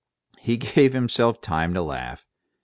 He gave himself time to laugh.